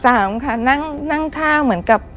สามค่ะนั่งท่าเหมือนกับ